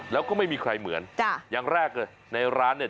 แล้วก็ไม่มีใครเหมือนจ้ะอย่างแรกเลยในร้านเนี่ย